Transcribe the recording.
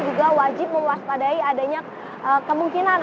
juga wajib mewaspadai adanya kemungkinan